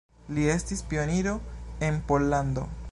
Li estis pioniro en Pollando.